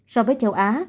so với châu á